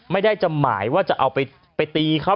ไม่ได้จำหมายว่าจะเอาไปตีเขา